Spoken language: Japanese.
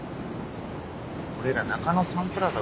俺ら中野サンプラザ